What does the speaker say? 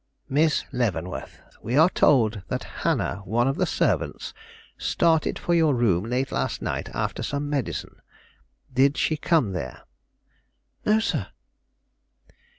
"Miss Leavenworth, we are told that Hannah, one of the servants, started for your room late last night after some medicine. Did she come there?" "No, sir."